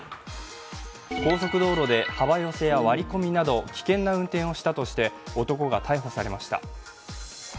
高速道路で幅寄せや割り込みなど危険な運転をしたとして男が逮捕されました。